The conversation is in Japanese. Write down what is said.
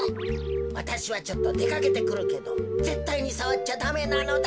わたしはちょっとでかけてくるけどぜったいにさわっちゃダメなのだ。